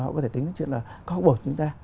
họ có thể tính đến chuyện là có học bổ chúng ta